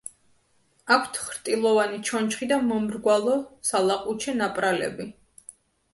აქვთ ხრტილოვანი ჩონჩხი და მომრგვალო სალაყუჩე ნაპრალები.